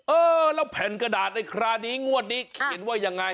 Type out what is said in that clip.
เออแล้วแผ่นกระดาษในคราวนี้งวดนี้เขียนว่ายังไง